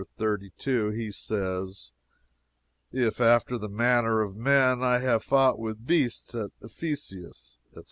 32 he says: "If after the manner of men I have fought with beasts at Ephesus," &c.